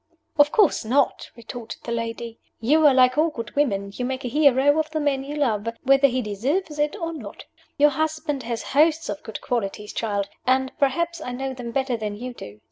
"Of course not!" retorted the old lady. "You are like all good women you make a hero of the man you love, whether he deserve it or not. Your husband has hosts of good qualities, child and perhaps I know them better than you do.